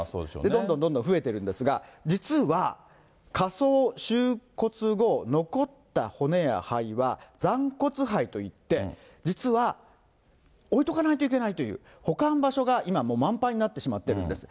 どんどんどんどん増えているんですが、実は、火葬、収骨後、残った骨や灰は、残骨灰といって、実は、置いとかないといけないという、保管場所が今、もう満杯になってしまっているんです。